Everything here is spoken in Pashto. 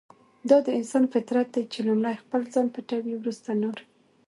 دا د انسان فطرت دی چې لومړی خپل ځان پټوي ورسته نور.